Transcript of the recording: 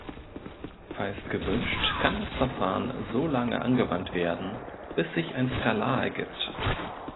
Falls gewünscht, kann das Verfahren so lange angewandt werden, bis sich ein Skalar ergibt.